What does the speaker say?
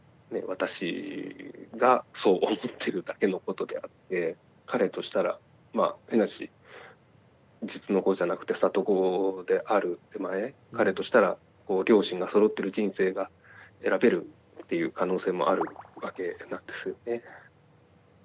私がそう思ってるだけのことであって彼としたら変な話実の子じゃなくて里子である手前彼としたらこう両親がそろってる人生が選べるっていう可能性もあるわけなんですね